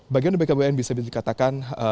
bagian dari bkbn bisa dikatakan